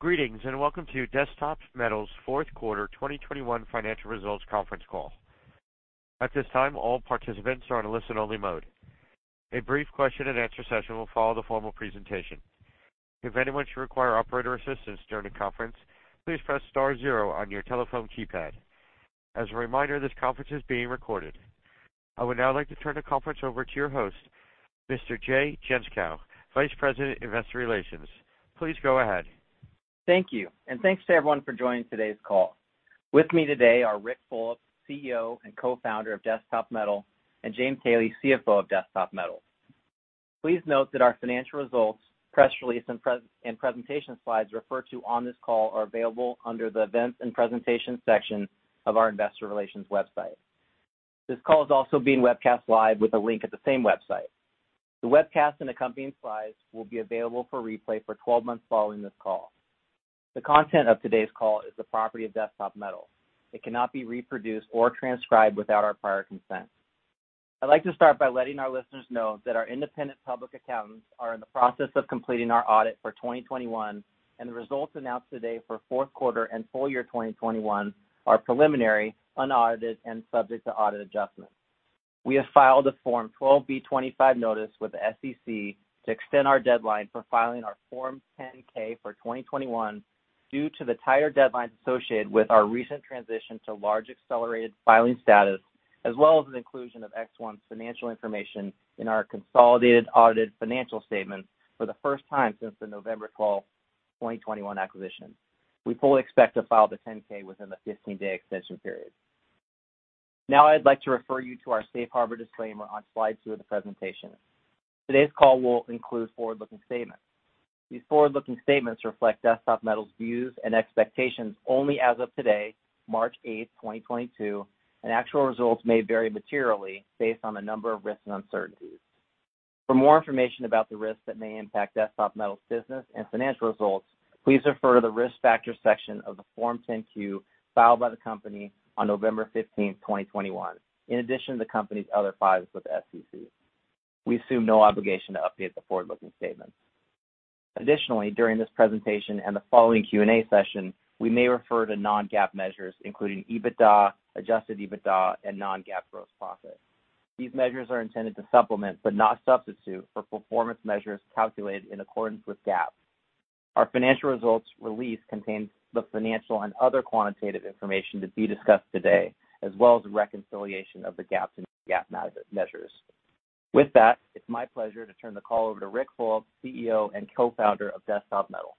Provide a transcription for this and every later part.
Greetings, and welcome to Desktop Metal's Q4 2021 financial results conference call. At this time, all participants are on a listen-only mode. A brief question and answer session will follow the formal presentation. If anyone should require operator assistance during the conference, please press star zero on your telephone keypad. As a reminder, this conference is being recorded. I would now like to turn the conference over to your host, Mr. Jay Gentzkow, Vice President, Investor Relations. Please go ahead. Thank you, and thanks to everyone for joining today's call. With me today are Ric Fulop, CEO and Co-founder of Desktop Metal, and James Haley, CFO of Desktop Metal. Please note that our financial results, press release, and presentation slides referred to on this call are available under the Events and Presentation section of our investor relations website. This call is also being webcast live with a link at the same website. The webcast and accompanying slides will be available for replay for 12 months following this call. The content of today's call is the property of Desktop Metal. It cannot be reproduced or transcribed without our prior consent. I'd like to start by letting our listeners know that our independent public accountants are in the process of completing our audit for 2021, and the results announced today for Q4 and full year 2021 are preliminary, unaudited, and subject to audit adjustment. We have filed a Form 12b-25 notice with the SEC to extend our deadline for filing our Form 10-K for 2021 due to the tighter deadlines associated with our recent transition to large accelerated filing status, as well as an inclusion of ExOne's financial information in our consolidated audited financial statements for the first time since the November 12, 2021 acquisition. We fully expect to file the 10-K within the 15-day extension period. Now I'd like to refer you to our safe harbor disclaimer on slide 2 of the presentation. Today's call will include forward-looking statements. These forward-looking statements reflect Desktop Metal's views and expectations only as of today, March 8, 2022, and actual results may vary materially based on a number of risks and uncertainties. For more information about the risks that may impact Desktop Metal's business and financial results, please refer to the Risk Factors section of the Form 10-Q filed by the company on November 15, 2021, in addition to the company's other filings with the SEC. We assume no obligation to update the forward-looking statements. Additionally, during this presentation and the following Q&A session, we may refer to non-GAAP measures, including EBITDA, adjusted EBITDA, and non-GAAP gross profit. These measures are intended to supplement, but not substitute, for performance measures calculated in accordance with GAAP. Our financial results release contains the financial and other quantitative information to be discussed today, as well as a reconciliation of the GAAP to non-GAAP measures. With that, it's my pleasure to turn the call over to Ric Fulop, CEO and Co-founder of Desktop Metal.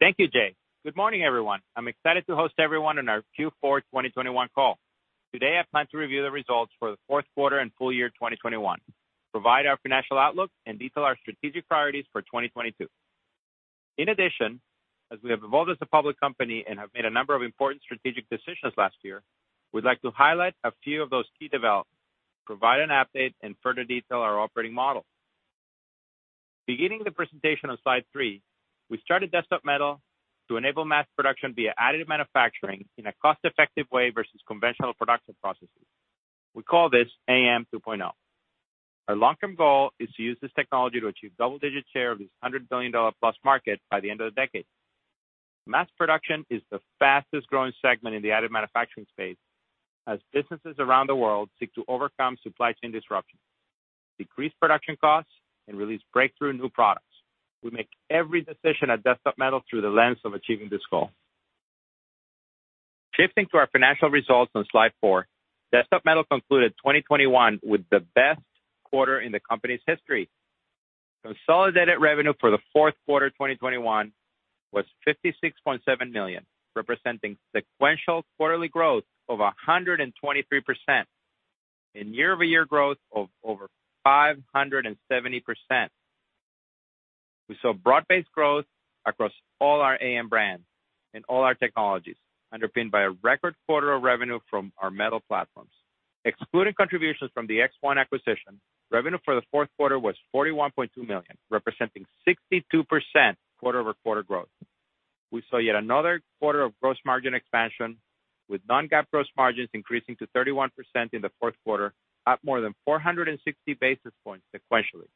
Thank you, Jay. Good morning, everyone. I'm excited to host everyone on our Q4 2021 call. Today, I plan to review the results for the Q4 and full year 2021, provide our financial outlook, and detail our strategic priorities for 2022. In addition, as we have evolved as a public company and have made a number of important strategic decisions last year, we'd like to highlight a few of those key developments, provide an update, and further detail our operating model. Beginning the presentation on slide 3, we started Desktop Metal to enable mass production via additive manufacturing in a cost-effective way versus conventional production processes. We call this AM 2.0. Our long-term goal is to use this technology to achieve double-digit share of this $100 billion+ market by the end of the decade. Mass production is the fastest growing segment in the additive manufacturing space as businesses around the world seek to overcome supply chain disruptions, decrease production costs, and release breakthrough new products. We make every decision at Desktop Metal through the lens of achieving this goal. Shifting to our financial results on slide 4, Desktop Metal concluded 2021 with the best quarter in the company's history. Consolidated revenue for the Q4 2021 was $56.7 million, representing sequential quarterly growth of 123% and year-over-year growth of over 570%. We saw broad-based growth across all our AM brands and all our technologies, underpinned by a record quarter of revenue from our metal platforms. Excluding contributions from the ExOne acquisition, revenue for the Q4 was $41.2 million, representing 62% quarter-over-quarter growth. We saw yet another quarter of gross margin expansion with non-GAAP gross margins increasing to 31% in the Q4 at more than 460 basis points sequentially.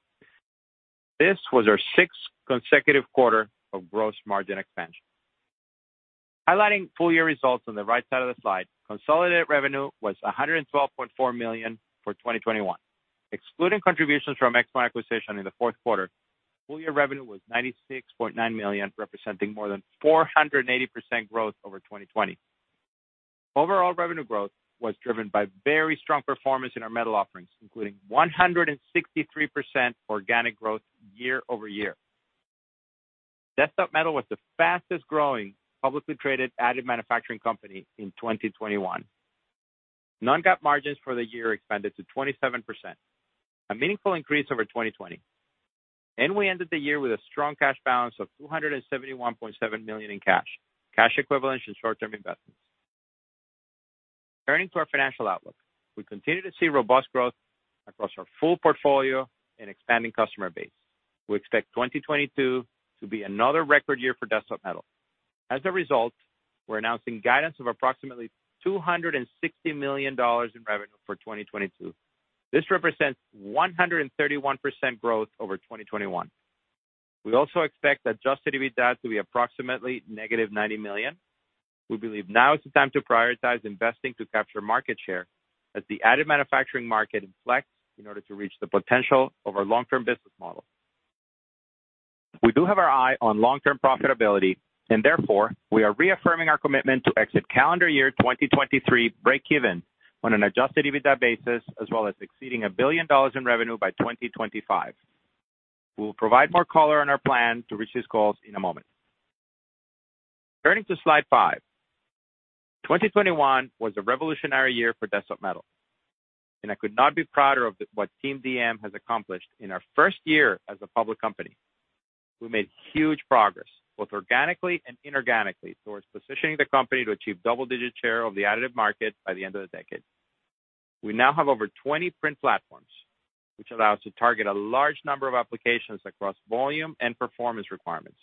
This was our sixth consecutive quarter of gross margin expansion. Highlighting full year results on the right side of the slide, consolidated revenue was $112.4 million for 2021. Excluding contributions from ExOne acquisition in the Q4, full year revenue was $96.9 million, representing more than 480% growth over 2020. Overall revenue growth was driven by very strong performance in our metal offerings, including 163% organic growth year-over-year. Desktop Metal was the fastest growing publicly traded additive manufacturing company in 2021. Non-GAAP margins for the year expanded to 27%, a meaningful increase over 2020. We ended the year with a strong cash balance of $271.7 million in cash equivalents, and short-term investments. Turning to our financial outlook. We continue to see robust growth across our full portfolio and expanding customer base. We expect 2022 to be another record year for Desktop Metal. As a result, we're announcing guidance of approximately $260 million in revenue for 2022. This represents 131% growth over 2021. We also expect adjusted EBITDA to be approximately negative $90 million. We believe now is the time to prioritize investing to capture market share as the additive manufacturing market inflects in order to reach the potential of our long-term business model. We do have our eye on long-term profitability and therefore we are reaffirming our commitment to exit calendar year 2023 breakeven on an adjusted EBITDA basis, as well as exceeding $1 billion in revenue by 2025. We'll provide more color on our plan to reach these goals in a moment. Turning to slide 5. 2021 was a revolutionary year for Desktop Metal, and I could not be prouder of what Team DM has accomplished in our first year as a public company. We made huge progress both organically and inorganically towards positioning the company to achieve double-digit share of the additive market by the end of the decade. We now have over 20 print platforms which allow us to target a large number of applications across volume and performance requirements.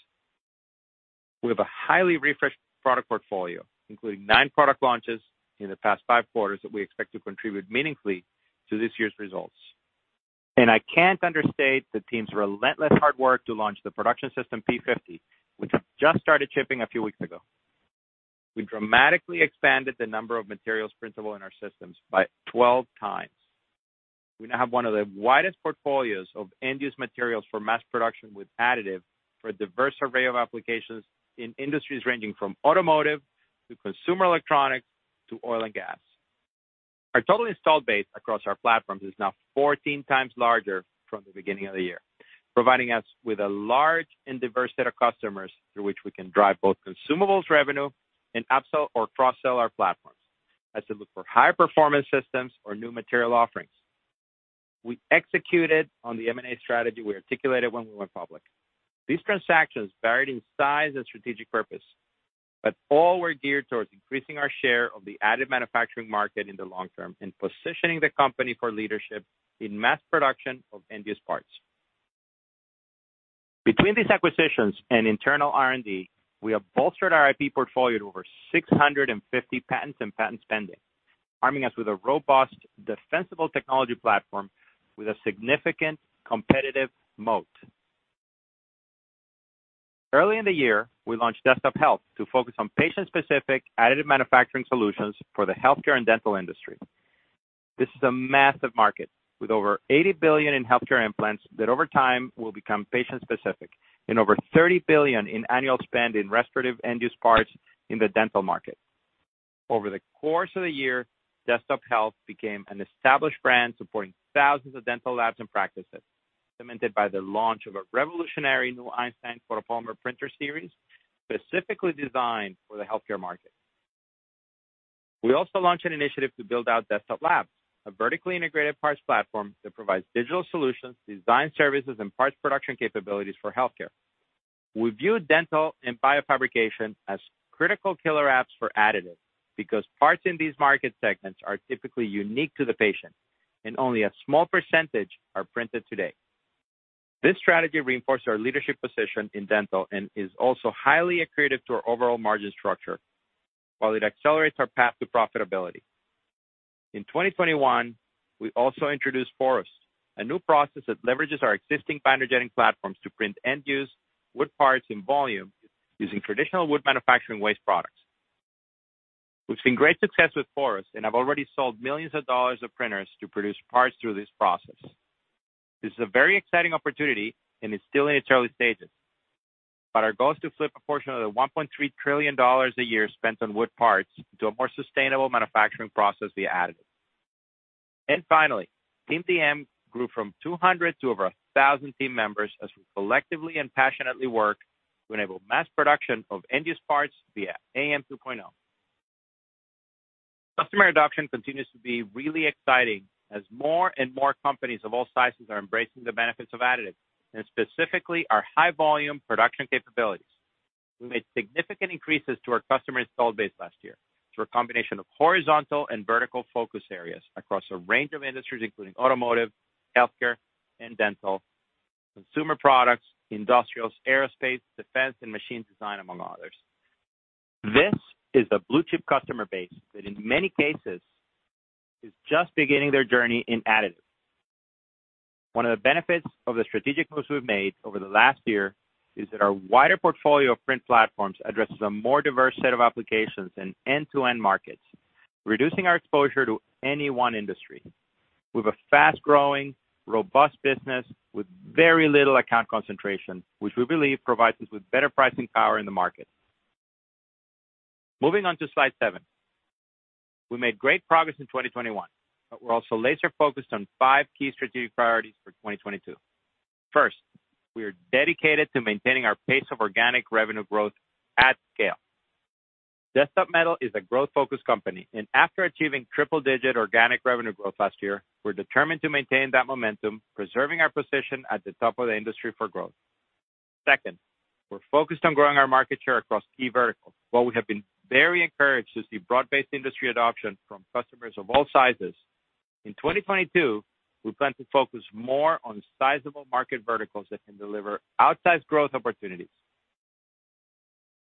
We have a highly refreshed product portfolio, including 9 product launches in the past 5 quarters that we expect to contribute meaningfully to this year's results. I can't understate the team's relentless hard work to launch the Production System P-50, which just started shipping a few weeks ago. We dramatically expanded the number of materials printable in our systems by 12 times. We now have one of the widest portfolios of end-use materials for mass production with additive for a diverse array of applications in industries ranging from automotive to consumer electronics to oil and gas. Our total installed base across our platforms is now 14 times larger from the beginning of the year, providing us with a large and diverse set of customers through which we can drive both consumables revenue and upsell or cross-sell our platforms as they look for high-performance systems or new material offerings. We executed on the M&A strategy we articulated when we went public. These transactions varied in size and strategic purpose, but all were geared towards increasing our share of the additive manufacturing market in the long term and positioning the company for leadership in mass production of end-use parts. Between these acquisitions and internal R&D, we have bolstered our IP portfolio to over 650 patents and patents pending, arming us with a robust, defensible technology platform with a significant competitive moat. Early in the year, we launched Desktop Health to focus on patient-specific additive manufacturing solutions for the healthcare and dental industry. This is a massive market with over $80 billion in healthcare implants that over time will become patient-specific and over $30 billion in annual spend in restorative end-use parts in the dental market. Over the course of the year, Desktop Health became an established brand, supporting thousands of dental labs and practices, cemented by the launch of a revolutionary new Einstein photopolymer printer series specifically designed for the healthcare market. We also launched an initiative to build out Desktop Labs, a vertically integrated parts platform that provides digital solutions, design services, and parts production capabilities for healthcare. We view dental and biofabrication as critical killer apps for additives because parts in these market segments are typically unique to the patient and only a small percentage are printed today. This strategy reinforces our leadership position in dental and is also highly accretive to our overall margin structure while it accelerates our path to profitability. In 2021, we also introduced Forust, a new process that leverages our existing binder jetting platforms to print end-use wood parts in volume using traditional wood manufacturing waste products. We've seen great success with Forust and have already sold $ millions of printers to produce parts through this process. This is a very exciting opportunity and it's still in its early stages. Our goal is to flip a portion of the $1.3 trillion a year spent on wood parts into a more sustainable manufacturing process via additive. Finally, Team DM grew from 200 to over 1,000 team members as we collectively and passionately work to enable mass production of end-use parts via AM 2.0. Customer adoption continues to be really exciting as more and more companies of all sizes are embracing the benefits of additive and specifically our high volume production capabilities. We made significant increases to our customer installed base last year through a combination of horizontal and vertical focus areas across a range of industries including automotive, healthcare and dental, consumer products, industrials, aerospace, defense, and machine design, among others. This is a blue-chip customer base that in many cases is just beginning their journey in additive. One of the benefits of the strategic moves we've made over the last year is that our wider portfolio of print platforms addresses a more diverse set of applications in end-to-end markets, reducing our exposure to any one industry. We have a fast-growing, robust business with very little account concentration, which we believe provides us with better pricing power in the market. Moving on to slide 7. We made great progress in 2021, but we're also laser focused on five key strategic priorities for 2022. First, we are dedicated to maintaining our pace of organic revenue growth at scale. Desktop Metal is a growth-focused company, and after achieving triple-digit organic revenue growth last year, we're determined to maintain that momentum, preserving our position at the top of the industry for growth. Second, we're focused on growing our market share across key verticals. While we have been very encouraged to see broad-based industry adoption from customers of all sizes. In 2022, we plan to focus more on sizable market verticals that can deliver outsized growth opportunities.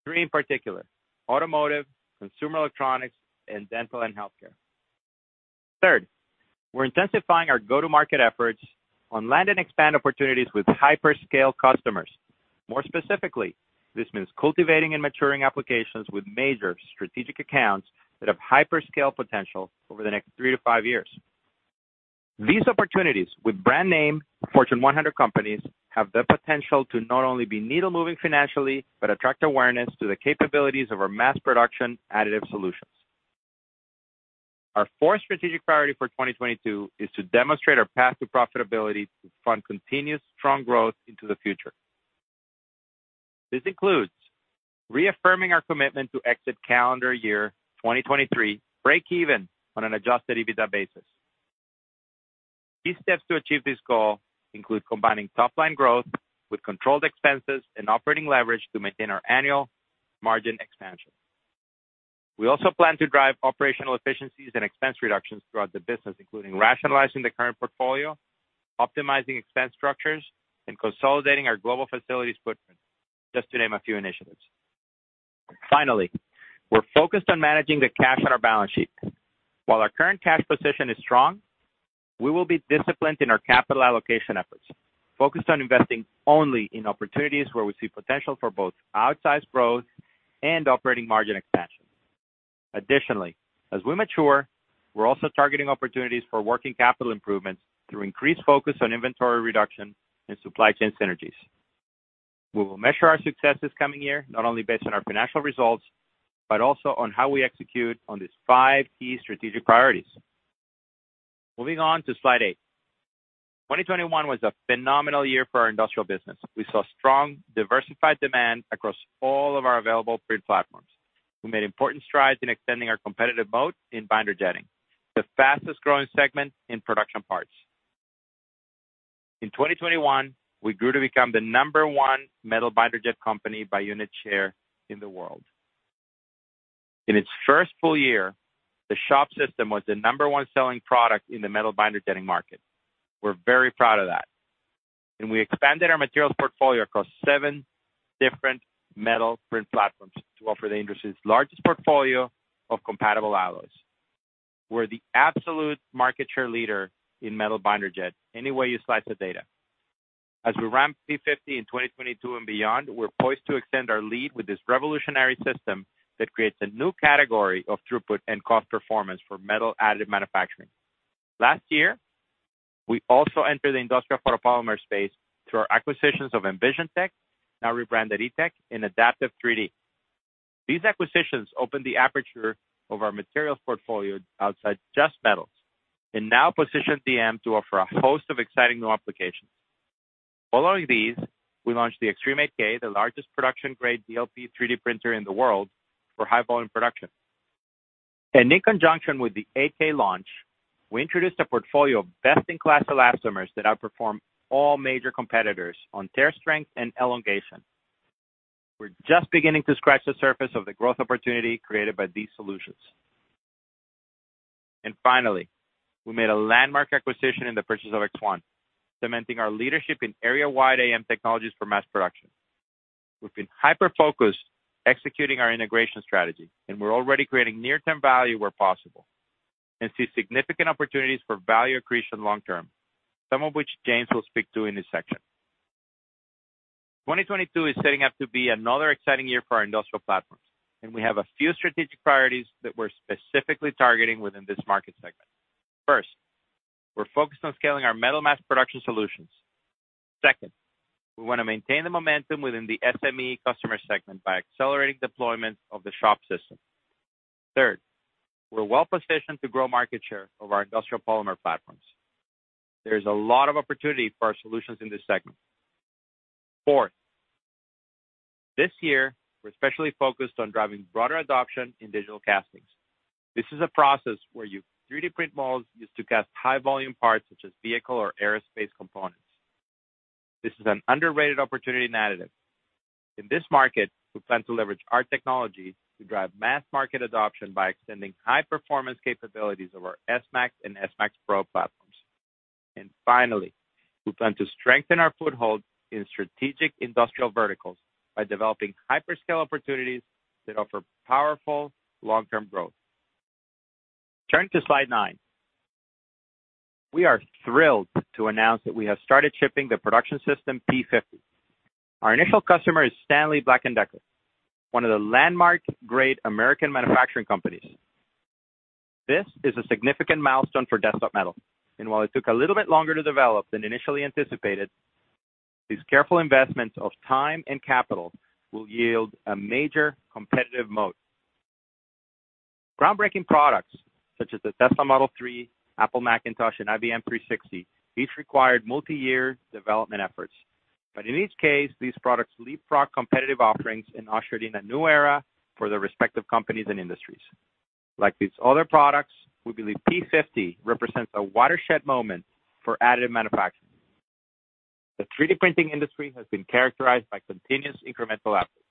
Three in particular, automotive, consumer electronics, and dental and healthcare. Third, we're intensifying our go-to-market efforts on land and expand opportunities with hyperscale customers. More specifically, this means cultivating and maturing applications with major strategic accounts that have hyperscale potential over the next 3 to 5 years. These opportunities with brand-name Fortune 100 companies have the potential to not only be needle-moving financially, but attract awareness to the capabilities of our mass-production additive solutions. Our fourth strategic priority for 2022 is to demonstrate our path to profitability to fund continuous strong growth into the future. This includes reaffirming our commitment to exit calendar year 2023 breakeven on an adjusted EBITDA basis. These steps to achieve this goal include combining top-line growth with controlled expenses and operating leverage to maintain our annual margin expansion. We also plan to drive operational efficiencies and expense reductions throughout the business, including rationalizing the current portfolio, optimizing expense structures, and consolidating our global facilities footprint, just to name a few initiatives. Finally, we're focused on managing the cash on our balance sheet. While our current cash position is strong, we will be disciplined in our capital allocation efforts, focused on investing only in opportunities where we see potential for both outsized growth and operating margin expansion. Additionally, as we mature, we're also targeting opportunities for working capital improvements through increased focus on inventory reduction and supply chain synergies. We will measure our successes coming year, not only based on our financial results, but also on how we execute on these five key strategic priorities. Moving on to slide 8. 2021 was a phenomenal year for our industrial business. We saw strong diversified demand across all of our available print platforms. We made important strides in extending our competitive moat in binder jetting, the fastest growing segment in production parts. In 2021, we grew to become the number one metal binder jet company by unit share in the world. In its first full year, the Shop System was the number one selling product in the metal binder jetting market. We're very proud of that. We expanded our materials portfolio across 7 different metal print platforms to offer the industry's largest portfolio of compatible alloys. We're the absolute market share leader in metal binder jet any way you slice the data. As we ramp P-50 in 2022 and beyond, we're poised to extend our lead with this revolutionary system that creates a new category of throughput and cost performance for metal additive manufacturing. Last year, we also entered the industrial photopolymer space through our acquisitions of EnvisionTEC, now rebranded ETEC, and Adaptive3D. These acquisitions opened the aperture of our materials portfolio outside just metals and now position DM to offer a host of exciting new applications. Following these, we launched the Xtreme 8K, the largest production-grade DLP 3D printer in the world for high-volume production. In conjunction with the 8K launch, we introduced a portfolio of best-in-class elastomers that outperform all major competitors on tear strength and elongation. We're just beginning to scratch the surface of the growth opportunity created by these solutions. Finally, we made a landmark acquisition in the purchase of ExOne, cementing our leadership in area-wide AM technologies for mass production. We've been hyper-focused executing our integration strategy, and we're already creating near-term value where possible and see significant opportunities for value accretion long term, some of which James will speak to in this section. 2022 is setting up to be another exciting year for our industrial platform, and we have a few strategic priorities that we're specifically targeting within this market segment. First, we're focused on scaling our metal mass production solutions. Second, we want to maintain the momentum within the SME customer segment by accelerating deployment of the Shop System. Third, we're well positioned to grow market share of our industrial polymer platforms. There's a lot of opportunity for our solutions in this segment. Fourth, this year we're especially focused on driving broader adoption in digital castings. This is a process where you 3D print molds used to cast high volume parts such as vehicle or aerospace components. This is an underrated opportunity in additive. In this market, we plan to leverage our technology to drive mass market adoption by extending high-performance capabilities of our S-Max and S-Max Pro platforms. Finally, we plan to strengthen our foothold in strategic industrial verticals by developing hyperscale opportunities that offer powerful long-term growth. Turning to Slide 9. We are thrilled to announce that we have started shipping the Production System P-50. Our initial customer is Stanley Black & Decker, one of the landmark great American manufacturing companies. This is a significant milestone for Desktop Metal, and while it took a little bit longer to develop than initially anticipated, these careful investments of time and capital will yield a major competitive moat. Groundbreaking products such as the Tesla Model 3, Apple Macintosh, and IBM 360, each required multi-year development efforts. In each case, these products leapfrogged competitive offerings and ushered in a new era for their respective companies and industries. Like these other products, we believe P-50 represents a watershed moment for additive manufacturing. The 3D printing industry has been characterized by continuous incremental outputs,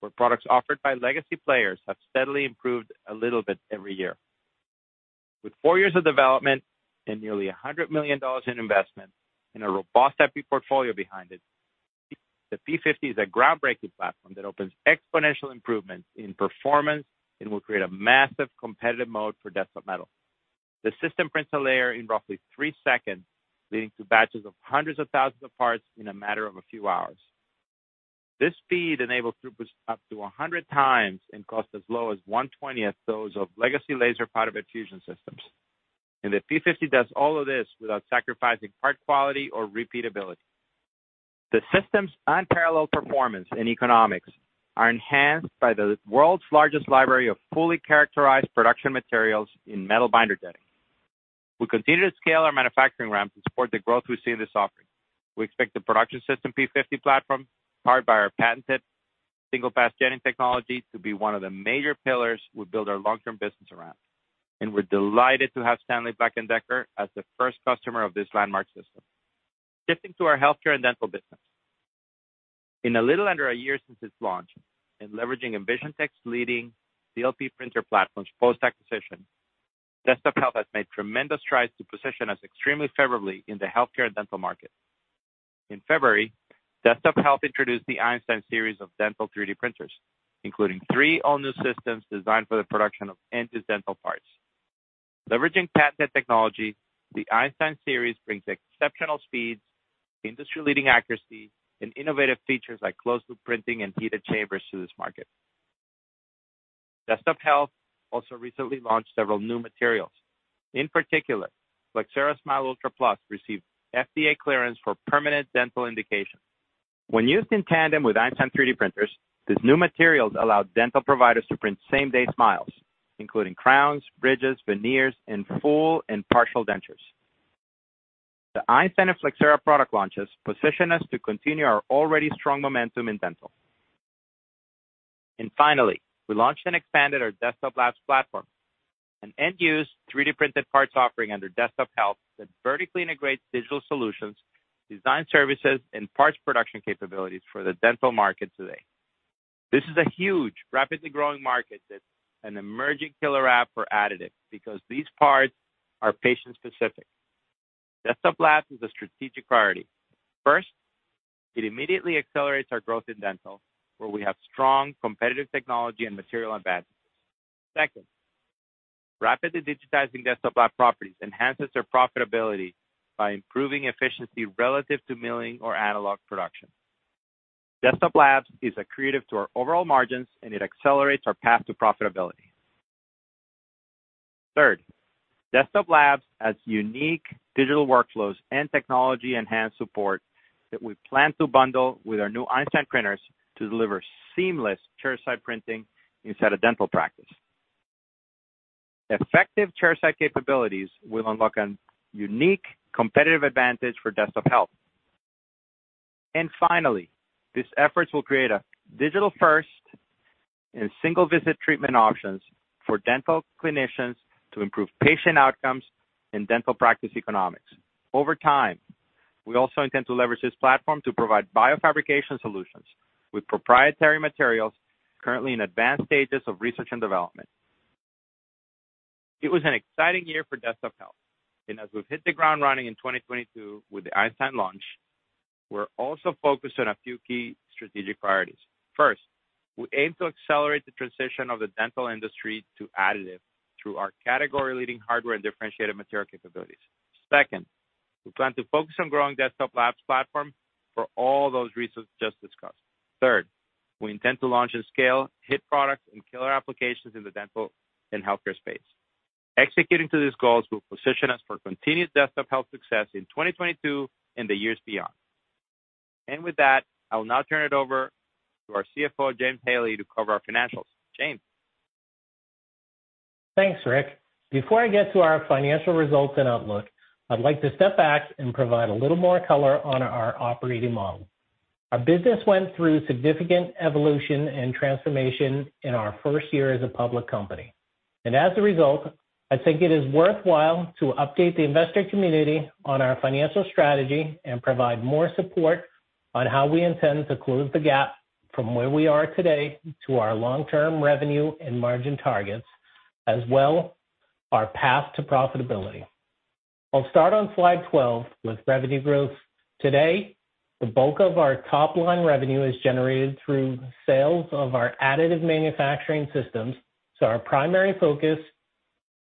where products offered by legacy players have steadily improved a little bit every year. With 4 years of development and nearly $100 million in investment in a robust IP portfolio behind it, the P50 is a groundbreaking platform that opens exponential improvements in performance and will create a massive competitive moat for Desktop Metal. The system prints a layer in roughly 3 seconds, leading to batches of hundreds of thousands of parts in a matter of a few hours. This speed enables throughputs up to 100 times and cost as low as one-twentieth those of legacy laser powder bed fusion systems. The P50 does all of this without sacrificing part quality or repeatability. The system's unparalleled performance and economics are enhanced by the world's largest library of fully characterized production materials in metal binder jetting. We continue to scale our manufacturing ramps and support the growth we see in this offering. We expect the Production System P-50 platform, powered by our patented Single Pass Jetting technology, to be one of the major pillars we build our long-term business around. We're delighted to have Stanley Black & Decker as the first customer of this landmark system. Shifting to our healthcare and dental business. In a little under a year since its launch, in leveraging EnvisionTEC's leading DLP printer platforms post-acquisition, Desktop Health has made tremendous strides to position us extremely favorably in the healthcare dental market. In February, Desktop Health introduced the Einstein series of dental 3D printers, including three all-new systems designed for the production of end-use dental parts. Leveraging patented technology, the Einstein series brings exceptional speeds, industry-leading accuracy, and innovative features like closed-loop printing and heated chambers to this market. Desktop Health also recently launched several new materials. In particular, Flexcera Smile Ultra+ received FDA clearance for permanent dental indications. When used in tandem with Einstein 3D printers, these new materials allow dental providers to print same-day smiles, including crowns, bridges, veneers, and full and partial dentures. The Einstein and Flexcera product launches position us to continue our already strong momentum in dental. Finally, we launched and expanded our Desktop Labs platform, an end-use 3D-printed parts offering under Desktop Health that vertically integrates digital solutions, design services, and parts production capabilities for the dental market today. This is a huge, rapidly growing market that's an emerging killer app for additive because these parts are patient specific. Desktop Labs is a strategic priority. First, it immediately accelerates our growth in dental, where we have strong competitive technology and material advantages. Second, rapidly digitizing Desktop Labs properties enhances their profitability by improving efficiency relative to milling or analog production. Desktop Labs is accretive to our overall margins, and it accelerates our path to profitability. Third, Desktop Labs has unique digital workflows and technology-enhanced support that we plan to bundle with our new Einstein printers to deliver seamless chairside printing inside a dental practice. Effective chairside capabilities will unlock a unique competitive advantage for Desktop Health. Finally, these efforts will create a digital-first and single visit treatment options for dental clinicians to improve patient outcomes and dental practice economics. Over time, we also intend to leverage this platform to provide biofabrication solutions with proprietary materials currently in advanced stages of research and development. It was an exciting year for Desktop Health, and as we've hit the ground running in 2022 with the Einstein launch, we're also focused on a few key strategic priorities. First, we aim to accelerate the transition of the dental industry to additive through our category-leading hardware and differentiated material capabilities. Second, we plan to focus on growing Desktop Labs platform for all those reasons just discussed. Third, we intend to launch and scale hit products and killer applications in the dental and healthcare space. Executing to these goals will position us for continued Desktop Health success in 2022 and the years beyond. With that, I will now turn it over to our CFO, James Haley, to cover our financials. James. Thanks, Ric. Before I get to our financial results and outlook, I'd like to step back and provide a little more color on our operating model. Our business went through significant evolution and transformation in our first year as a public company. As a result, I think it is worthwhile to update the investor community on our financial strategy and provide more support on how we intend to close the gap from where we are today to our long-term revenue and margin targets, as well our path to profitability. I'll start on slide 12 with revenue growth. Today, the bulk of our top-line revenue is generated through sales of our additive manufacturing systems. Our primary focus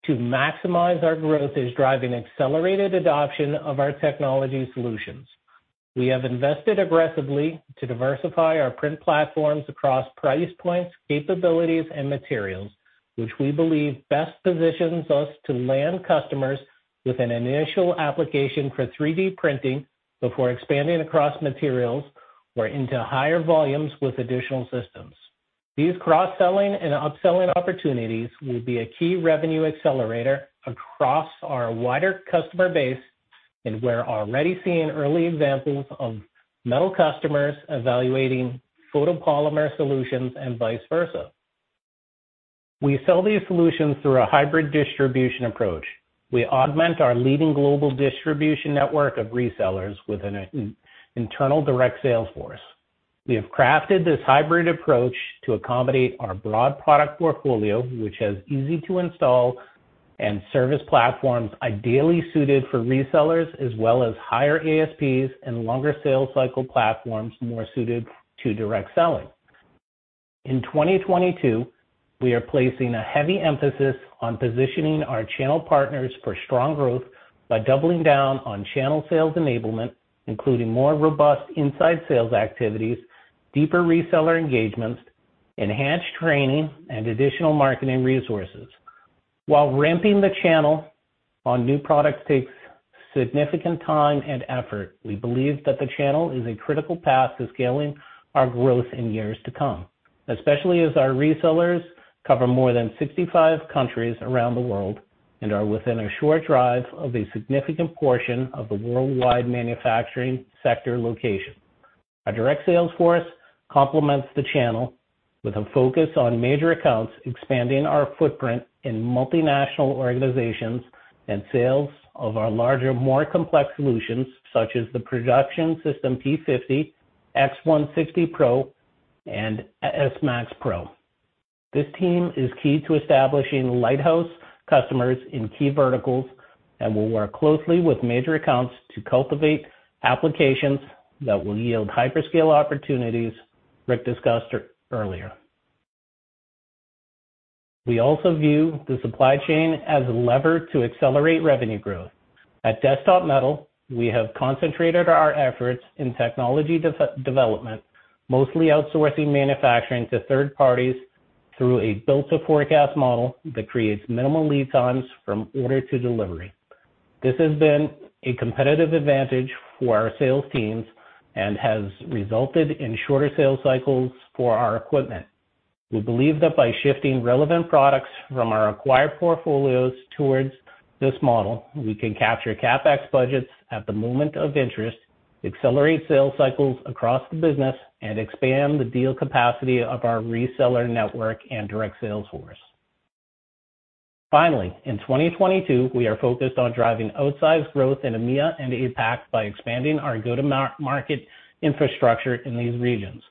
to maximize our growth is driving accelerated adoption of our technology solutions. We have invested aggressively to diversify our print platforms across price points, capabilities, and materials, which we believe best positions us to land customers with an initial application for 3D printing before expanding across materials or into higher volumes with additional systems. These cross-selling and upselling opportunities will be a key revenue accelerator across our wider customer base, and we're already seeing early examples of metal customers evaluating photopolymer solutions and vice versa. We sell these solutions through a hybrid distribution approach. We augment our leading global distribution network of resellers with an internal direct sales force. We have crafted this hybrid approach to accommodate our broad product portfolio, which has easy to install and service platforms ideally suited for resellers as well as higher ASPs and longer sales cycle platforms more suited to direct selling. In 2022, we are placing a heavy emphasis on positioning our channel partners for strong growth by doubling down on channel sales enablement, including more robust inside sales activities, deeper reseller engagements, enhanced training, and additional marketing resources. While ramping the channel on new products takes significant time and effort, we believe that the channel is a critical path to scaling our growth in years to come, especially as our resellers cover more than 65 countries around the world and are within a short drive of a significant portion of the worldwide manufacturing sector location. Our direct sales force complements the channel with a focus on major accounts, expanding our footprint in multinational organizations and sales of our larger, more complex solutions such as the Production System P-50, X160Pro, and S-Max Pro. This team is key to establishing lighthouse customers in key verticals and will work closely with major accounts to cultivate applications that will yield hyperscale opportunities Rick discussed earlier. We also view the supply chain as a lever to accelerate revenue growth. At Desktop Metal, we have concentrated our efforts in technology development, mostly outsourcing manufacturing to third parties through a built-to-forecast model that creates minimal lead times from order to delivery. This has been a competitive advantage for our sales teams and has resulted in shorter sales cycles for our equipment. We believe that by shifting relevant products from our acquired portfolios towards this model, we can capture CapEx budgets at the moment of interest, accelerate sales cycles across the business, and expand the deal capacity of our reseller network and direct sales force. Finally, in 2022, we are focused on driving outsized growth in EMEA and APAC by expanding our go-to-market infrastructure in these regions.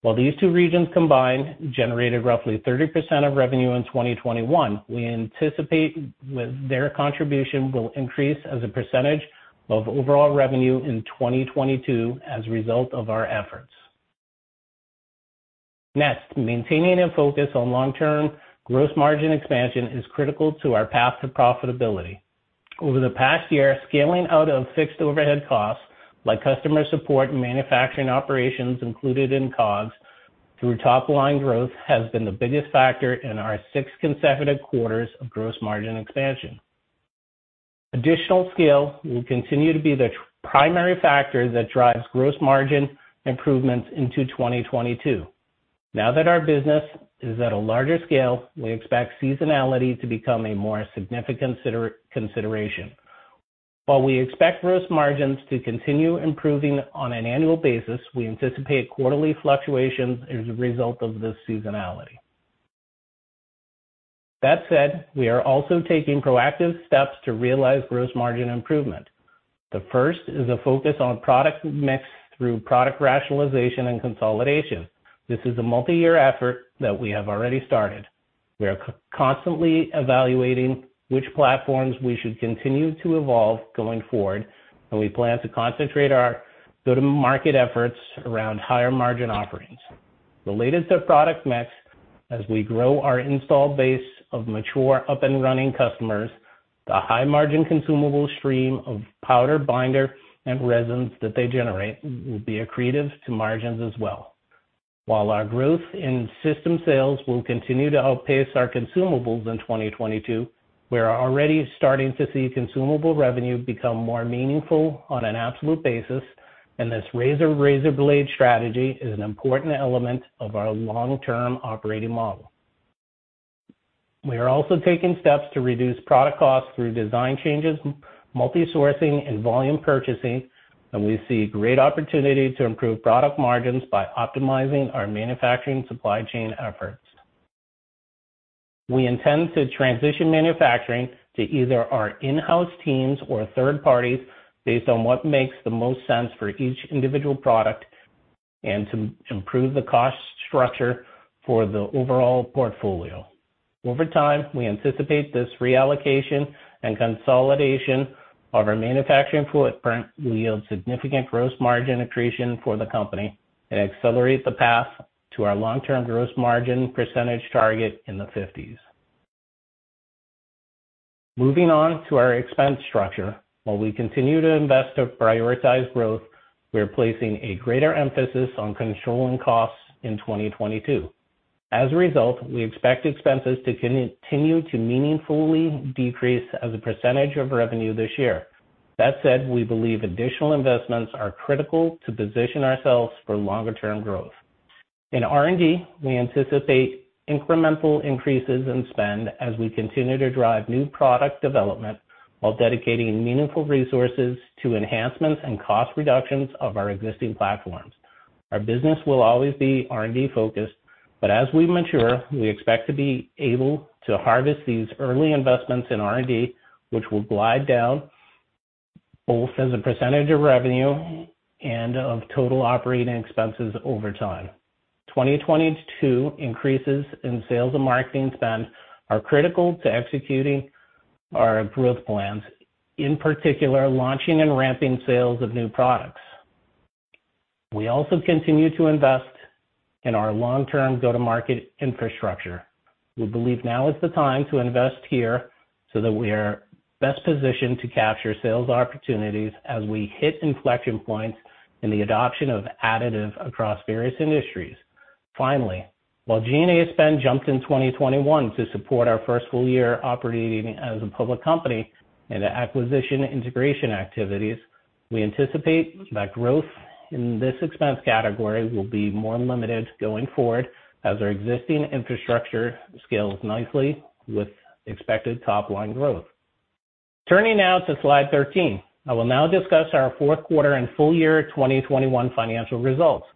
While these two regions combined generated roughly 30% of revenue in 2021, we anticipate with their contribution will increase as a percentage of overall revenue in 2022 as a result of our efforts. Next, maintaining a focus on long-term gross margin expansion is critical to our path to profitability. Over the past year, scaling out of fixed overhead costs, like customer support and manufacturing operations included in COGS through top line growth, has been the biggest factor in our six consecutive quarters of gross margin expansion. Additional scale will continue to be the primary factor that drives gross margin improvements into 2022. Now that our business is at a larger scale, we expect seasonality to become a more significant consideration. While we expect gross margins to continue improving on an annual basis, we anticipate quarterly fluctuations as a result of this seasonality. That said, we are also taking proactive steps to realize gross margin improvement. The first is a focus on product mix through product rationalization and consolidation. This is a multi-year effort that we have already started. We are constantly evaluating which platforms we should continue to evolve going forward, and we plan to concentrate our go-to-market efforts around higher margin offerings. Related to product mix, as we grow our install base of mature up and running customers, the high margin consumable stream of powder, binder, and resins that they generate will be accretive to margins as well. While our growth in system sales will continue to outpace our consumables in 2022, we are already starting to see consumable revenue become more meaningful on an absolute basis, and this razor-blade strategy is an important element of our long-term operating model. We are also taking steps to reduce product costs through design changes, multi-sourcing, and volume purchasing, and we see great opportunity to improve product margins by optimizing our manufacturing supply chain efforts. We intend to transition manufacturing to either our in-house teams or third parties based on what makes the most sense for each individual product and to improve the cost structure for the overall portfolio. Over time, we anticipate this reallocation and consolidation of our manufacturing footprint will yield significant gross margin accretion for the company and accelerate the path to our long-term gross margin percentage target in the 50s. Moving on to our expense structure. While we continue to invest to prioritize growth, we are placing a greater emphasis on controlling costs in 2022. As a result, we expect expenses to continue to meaningfully decrease as a percentage of revenue this year. That said, we believe additional investments are critical to position ourselves for longer term growth. In R&D, we anticipate incremental increases in spend as we continue to drive new product development while dedicating meaningful resources to enhancements and cost reductions of our existing platforms. Our business will always be R&D focused, but as we mature, we expect to be able to harvest these early investments in R&D, which will glide down both as a percentage of revenue and of total operating expenses over time. 2022 increases in sales and marketing spend are critical to executing our growth plans, in particular, launching and ramping sales of new products. We also continue to invest in our long-term go-to-market infrastructure. We believe now is the time to invest here so that we are best positioned to capture sales opportunities as we hit inflection points in the adoption of additive across various industries. Finally, while G&A spend jumped in 2021 to support our first full year operating as a public company and the acquisition integration activities, we anticipate that growth in this expense category will be more limited going forward as our existing infrastructure scales nicely with expected top-line growth. Turning now to slide 13. I will now discuss our Q4 and full year 2021 financial results.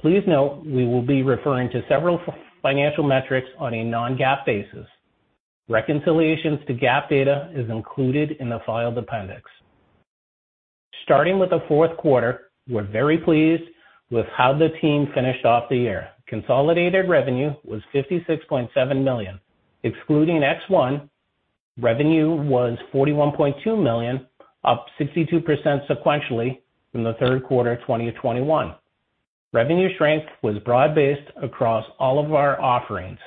Please note we will be referring to several financial metrics on a non-GAAP basis. Reconciliations to GAAP data is included in the filed appendix. Starting with the Q4, we're very pleased with how the team finished off the year. Consolidated revenue was $56.7 million. Excluding ExOne, revenue was $41.2 million, up 62% sequentially from the Q3 2021. Revenue strength was broad-based across all of our offerings,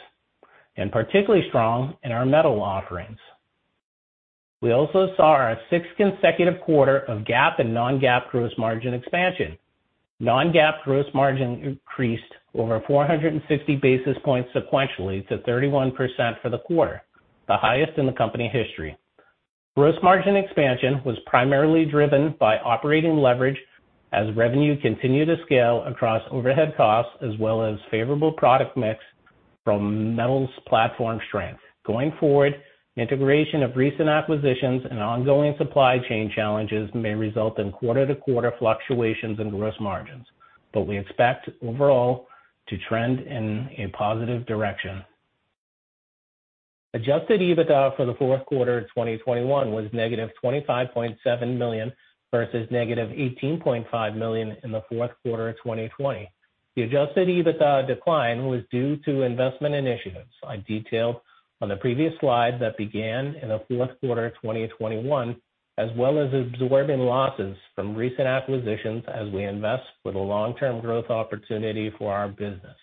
and particularly strong in our metal offerings. We also saw our sixth consecutive quarter of GAAP and non-GAAP gross margin expansion. Non-GAAP gross margin increased over 450 basis points sequentially to 31% for the quarter, the highest in the company history. Gross margin expansion was primarily driven by operating leverage as revenue continued to scale across overhead costs as well as favorable product mix from metals platform strength. Going forward, integration of recent acquisitions and ongoing supply chain challenges may result in quarter-to-quarter fluctuations in gross margins, but we expect overall to trend in a positive direction. Adjusted EBITDA for the Q4 2021 was -$25.7 million versus -$18.5 million in the Q4 of 2020. The adjusted EBITDA decline was due to investment initiatives I detailed on the previous slide that began in the Q4 of 2021, as well as absorbing losses from recent acquisitions as we invest for the long-term growth opportunity for our business.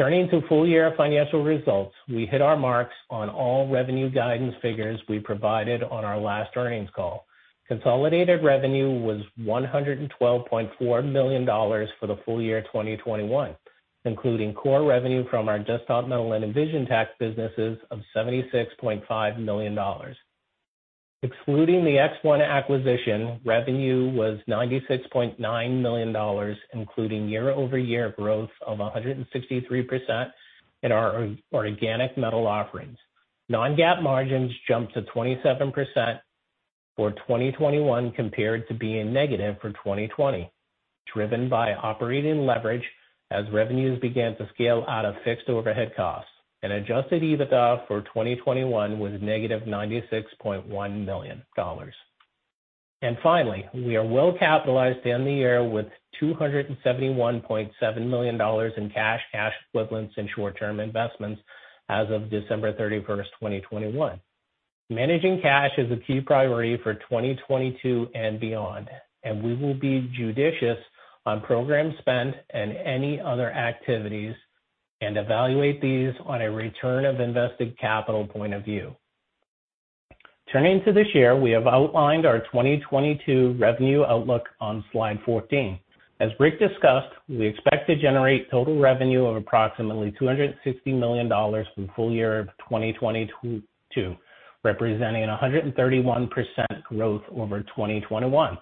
Turning to full year financial results, we hit our marks on all revenue guidance figures we provided on our last earnings call. Consolidated revenue was $112.4 million for the full year 2021, including core revenue from our Desktop Metal and EnvisionTEC businesses of $76.5 million. Excluding the ExOne acquisition, revenue was $96.9 million, including year-over-year growth of 163% in our organic metal offerings. Non-GAAP margins jumped to 27% for 2021 compared to being negative for 2020, driven by operating leverage as revenues began to scale out of fixed overhead costs. Adjusted EBITDA for 2021 was negative $96.1 million. Finally, we are well capitalized to end the year with $271.7 million in cash equivalents, and short-term investments as of December 31, 2021. Managing cash is a key priority for 2022 and beyond, and we will be judicious on program spend and any other activities and evaluate these on a return of invested capital point of view. Turning to this year, we have outlined our 2022 revenue outlook on slide 14. As Rick discussed, we expect to generate total revenue of approximately $260 million for full year of 2022, representing 131% growth over 2021,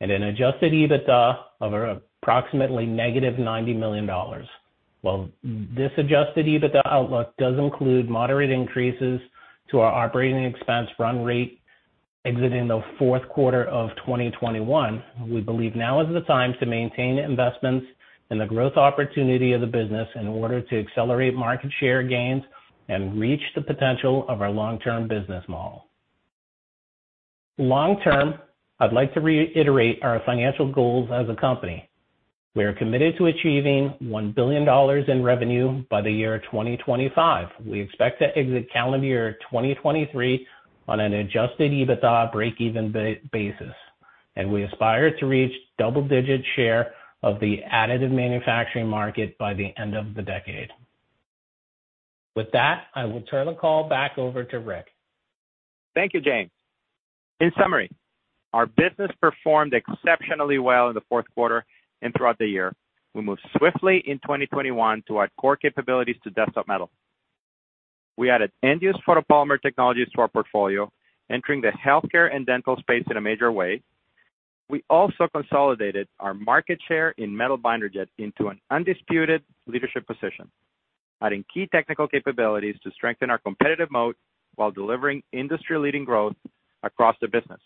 and an adjusted EBITDA of approximately negative $90 million. While this adjusted EBITDA outlook does include moderate increases to our operating expense run rate exiting the Q4 of 2021, we believe now is the time to maintain investments in the growth opportunity of the business in order to accelerate market share gains and reach the potential of our long-term business model. Long term, I'd like to reiterate our financial goals as a company. We are committed to achieving $1 billion in revenue by the year 2025. We expect to exit calendar year 2023 on an adjusted EBITDA breakeven basis, and we aspire to reach double-digit share of the additive manufacturing market by the end of the decade. With that, I will turn the call back over to Rick. Thank you, James. In summary, our business performed exceptionally well in the Q4 and throughout the year. We moved swiftly in 2021 to add core capabilities to Desktop Metal. We added end-use photopolymer technologies to our portfolio, entering the healthcare and dental space in a major way. We also consolidated our market share in metal binder jetting into an undisputed leadership position. Adding key technical capabilities to strengthen our competitive moat while delivering industry-leading growth across the business.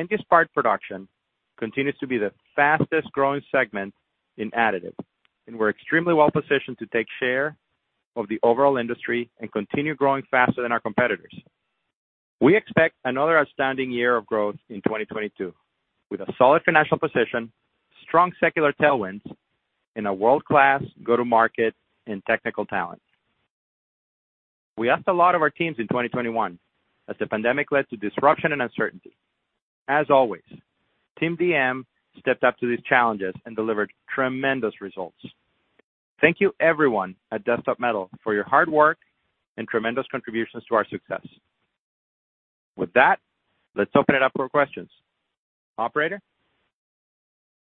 End-use part production continues to be the fastest-growing segment in additive, and we're extremely well-positioned to take share of the overall industry and continue growing faster than our competitors. We expect another outstanding year of growth in 2022, with a solid financial position, strong secular tailwinds, and a world-class go-to-market and technical talent. We asked a lot of our teams in 2021 as the pandemic led to disruption and uncertainty. As always, Team DM stepped up to these challenges and delivered tremendous results. Thank you, everyone at Desktop Metal, for your hard work and tremendous contributions to our success. With that, let's open it up for questions. Operator.